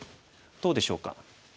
どうでしょうか？